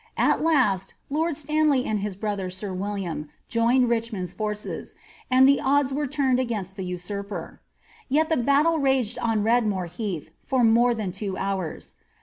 At last lord Stanley and his brother sir William joined Richmond's forces, and the odds were turned against the usurper. Yet the battle raffed on Redmore Heath for more than two hours.